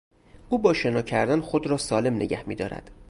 او با شنا کردن خود را سالم نگه میدارد.